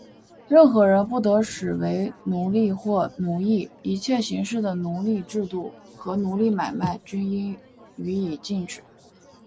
任何人不得使为奴隶或奴役;一切形式的奴隶制度和奴隶买卖,均应予以禁止。